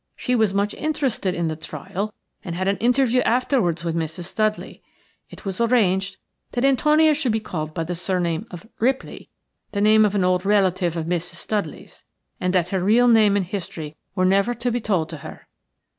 She was much interested in the trial, and had an interview afterwards with Mrs. Studley. It was arranged that Antonia should be called by the surname of Ripley – the name of an old relative of Mrs. Studley's – and that her real name and history were never to be told to her."